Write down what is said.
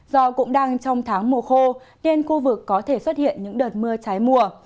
do cũng đang trong tháng mùa khô nên khu vực có thể xuất hiện những đợt mưa trái mùa